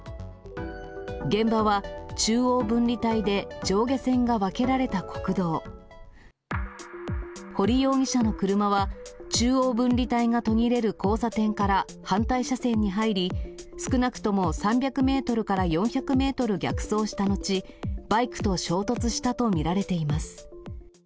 現場は中央分離帯で、上下線が分けられた国道。堀容疑者の車は、中央分離帯が途切れる交差点から反対車線に入り、少なくとも３００メートルから４００メートル逆走したのち、バイクと衝突したと見られています。